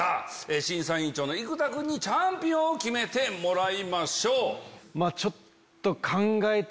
審査委員長の生田君にチャンピオンを決めてもらいましょう。